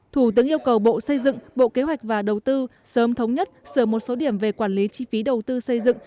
thủ tướng yêu cầu bộ xây dựng bộ kế hoạch và đầu tư sớm thống nhất sửa một số điểm về quản lý chi phí đầu tư xây dựng